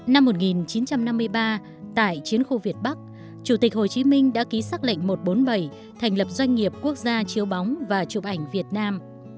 năm một nghìn chín trăm năm mươi ba tại chiến khu việt bắc chủ tịch hồ chí minh đã ký xác lệnh một trăm bốn mươi bảy thành lập doanh nghiệp quốc gia chiếu bóng và chụp ảnh việt nam